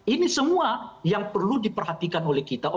ini semua yang perlu diperhatikan oleh kita